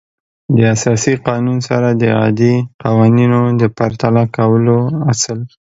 د اساسي قانون سره د عادي قوانینو د پرتله کولو اصل